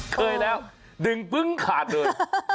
เคยแล้วดึงปึ้งขาดเลย